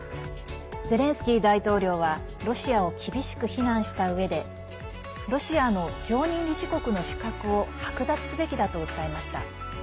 ゼレンスキー大統領はロシアを厳しく非難したうえでロシアの常任理事国の資格を剥奪すべきだと訴えました。